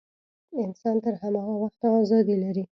انسان تر هماغه وخته ازادي لري.